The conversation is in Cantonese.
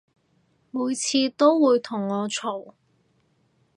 每次都會同我嘈